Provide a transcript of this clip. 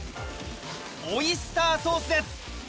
オイスターソースです！